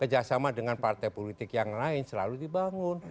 kerjasama dengan partai politik yang lain selalu dibangun